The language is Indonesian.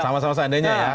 sama sama seandainya ya